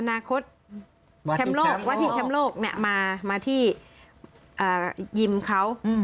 อนาคตแชมโลกวัตถีแชมโลกเนี่ยมามาที่อ่ายิมเขาอืม